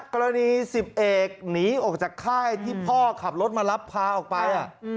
กรณี๑๐เอกหนีออกจากค่ายที่พ่อขับรถมารับพาออกไป